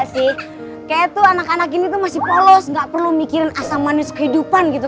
kayaknya tuh anak anak ini tuh masih polos nggak perlu mikirin asam manis kehidupan gitu